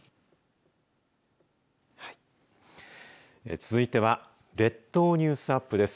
続いては列島ニュースアップです。